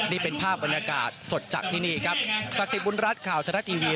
นี่เป็นภาพบรรยากาศสดจากที่นี่ครับศักดิ์บุญรัฐข่าวทรัฐทีวี